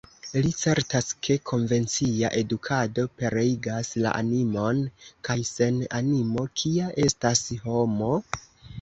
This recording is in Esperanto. Li certas, ke konvencia edukado pereigas la animon, kaj sen animo, kia estas homo?